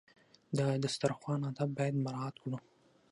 د دسترخوان آداب باید مراعات کړو.